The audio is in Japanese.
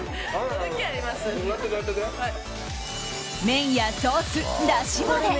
麺やソース、だしまで。